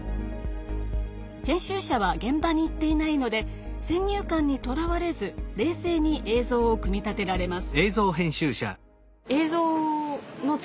編集者は現場に行っていないので先入観にとらわれず冷静に映像を組み立てられます。